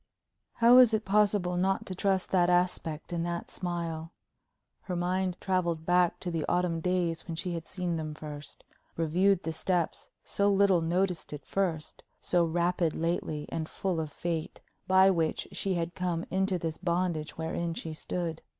How was it possible not to trust that aspect and that smile? Her mind travelled back to the autumn days when she had seen them first; reviewed the steps, so little noticed at first, so rapid lately and full of fate, by which she had come into this bondage wherein she stood.